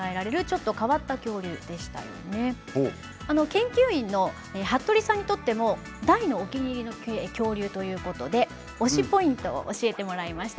研究員の服部さんにとっても大のお気に入りの恐竜ということで推しポイントを教えてもらいました。